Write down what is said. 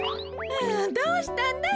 どうしたんだい？